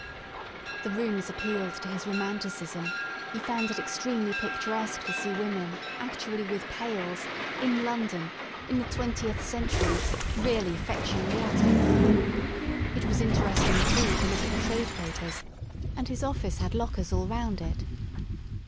The rooms appealed to his romanticism: he found it extremely picturesque to see women, actually with pails, in London, in the twentieth century, really fetching water. It was interesting, too, to look at the Trade Papers, and his office had lockers all round it.